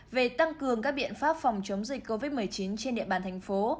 về tăng cường các biện pháp phòng chống dịch covid một mươi chín trên địa bàn thành phố